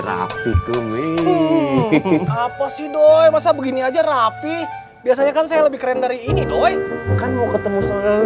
apa sih doi masa begini aja rapi biasanya kan saya lebih keren dari ini doi kan mau ketemu